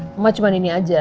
mama cuman ini aja